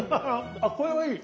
あこれはいい。